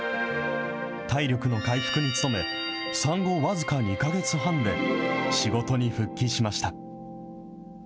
体力の回復に努め、産後僅か２か月半で、仕事に復帰しました。